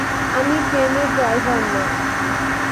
আমি ট্রেনের ড্রাইভার না।